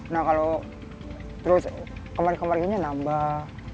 nah kalau terus kemarin kemarinnya nambah